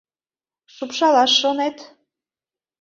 Шупшалаш шонет —